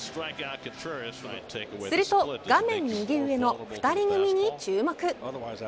すると画面右上の２人組に注目。